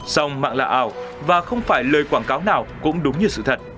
sông mạng lạ ảo và không phải lời quảng cáo nào cũng đúng như sự thật